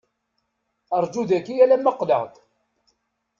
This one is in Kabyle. Rju dayi alamma qqleɣ-d.